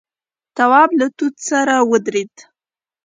تواب له توت سره ودرېد.